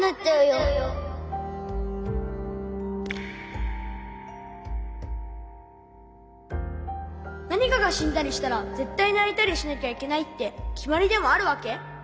回そう何かがしんだりしたらぜったいないたりしなきゃいけないってきまりでもあるわけ？